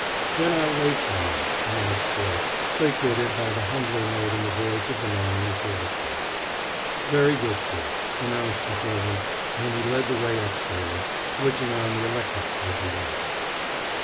"Then I'll wait for him," announced Blake, placated by the humbler note in the voice of the man in the service coat. "Very good, sir," announced the servant. And he led the way upstairs, switching on the electrics as he went.